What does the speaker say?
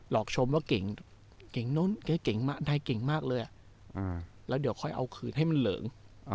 ลอกชมว่าเก่งเก่งมากเลยแล้วดีละค่อยเอาคืนให้มันเหล่ง